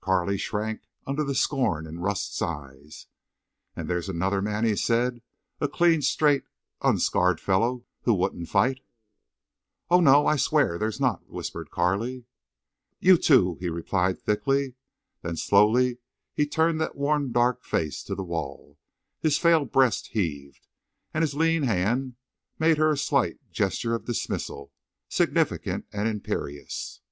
Carley shrank under the scorn in Rust's eyes. "And there's another man," he said, "a clean, straight, unscarred fellow who wouldn't fight!" "Oh, no—I—I swear there's not," whispered Carley. "You, too," he replied, thickly. Then slowly he turned that worn dark face to the wall. His frail breast heaved. And his lean hand made her a slight gesture of dismissal, significant and imperious.